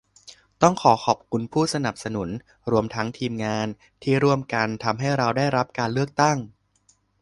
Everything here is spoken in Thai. ต้องขอขอบคุณผู้สนับสนุน รวมทั้งทีมงาน ที่ร่วมกันทำให้เราได้รับการเลือกตั้ง